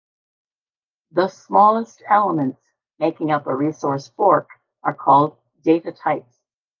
The smallest elements making up a resource fork are called data types.